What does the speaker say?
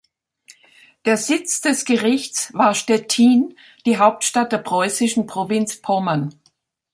Der Sitz des Gerichts war Stettin, die Hauptstadt der preußischen Provinz Pommern.